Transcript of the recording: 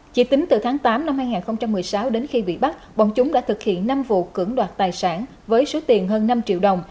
chỉ tính từ tháng tám năm hai nghìn một mươi sáu đến khi bị bắt bọn chúng đã thực hiện năm vụ cưỡng đoạt tài sản với số tiền hơn năm triệu đồng